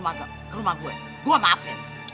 keteng ke rumah gue gue maafin